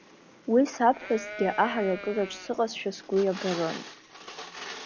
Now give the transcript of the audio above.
Уи сабҳәазҭгьы, аҳаракыраҿ сыҟазшәа сгәы иабарын.